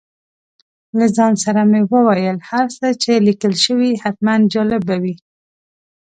له ځان سره مې وویل هر څه چې لیکل شوي حتماً جالب به وي.